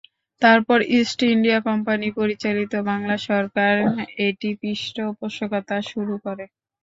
তারপর East India Company পরিচালিত বাংলা সরকার এটি পৃষ্ঠপোষকতা শুরু করে।